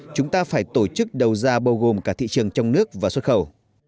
chúng ta phải tổ chức đầu ra bao gồm cả thị trường trong nước và xuất khẩu